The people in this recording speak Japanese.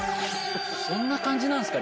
そんな感じなんすか？